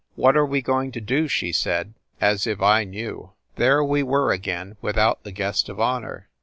What are we go ing to do? she said as if I knew! There we were again without the guest of honor.